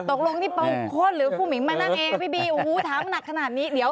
ตกลงที่เปล่าโค้ดหรือผู้หมิ่งมานั่งเองพี่บีถามหนักขนาดนี้